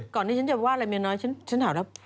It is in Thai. ก่อนนี้ฉันจะว่าอะไรเมียน้อยฉันถามแล้ว